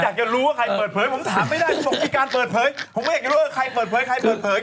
อยากจะรู้ว่าใครเปิดเผยผมถามไม่ได้ผมมีการเปิดเผยผมก็อยากจะรู้ว่าใครเปิดเผยใครเปิดเผย